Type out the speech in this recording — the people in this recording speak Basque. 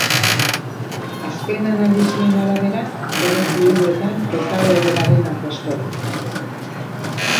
Azken analisien arabera, bere fluidoetan ez dago ebolaren arrastorik.